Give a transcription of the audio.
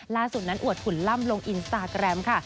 ล่าสุดนั้นอวดขุนล่ำลงอินสตาแกรมค่ะ